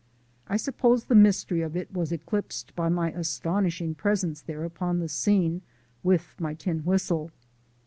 I suppose the mystery of it was eclipsed by my astonishing presence there upon the scene with my tin whistle.